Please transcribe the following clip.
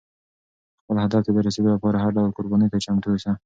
خپل هدف ته د رسېدو لپاره هر ډول قربانۍ ته چمتو اوسه.